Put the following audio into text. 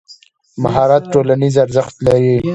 مهارت ټولنیز ارزښت لري.